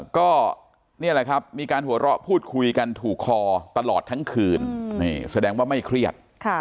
ก็นี่แหละครับมีการหัวเราะพูดคุยกันถูกคอตลอดทั้งคืนแสดงว่าไม่เครียด